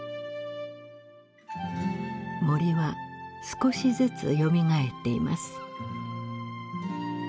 森は少しずつよみがえっています。